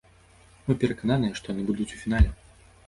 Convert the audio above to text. Мы перакананыя, што яны будуць у фінале.